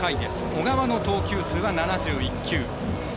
小川の投球数は７１球。